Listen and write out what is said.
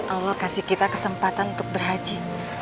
allah kasih kita kesempatan untuk berhaji